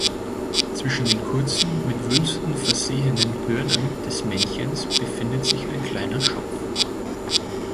Zwischen den kurzen, mit Wülsten versehenen Hörnern des Männchens befindet sich ein kleiner Schopf.